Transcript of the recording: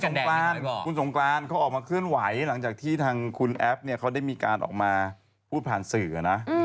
งกรานคุณสงกรานเขาออกมาเคลื่อนไหวหลังจากที่ทางคุณแอฟเนี่ยเขาได้มีการออกมาพูดผ่านสื่อนะ